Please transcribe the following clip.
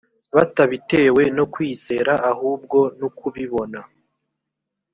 batabitewe no kwizera ahubwo nukubibona